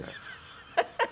ハハハハ。